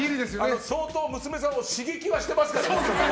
相当、娘さんを刺激はしてますからね。